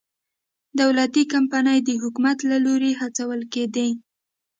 دولتي کمپنۍ د حکومت له لوري هڅول کېدې.